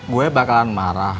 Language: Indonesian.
gue bakalan marah